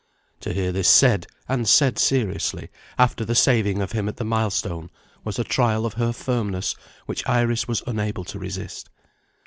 To hear this said and said seriously after the saving of him at the milestone, was a trial of her firmness which Iris was unable to resist.